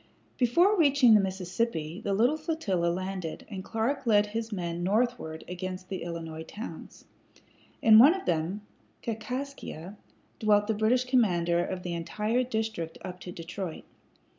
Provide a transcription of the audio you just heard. Before reaching the Mississippi the little flotilla landed, and Clark led his men northward against the Illinois towns. In one of them, Kaskaskia, dwelt the British commander of the entire district up to Detroit.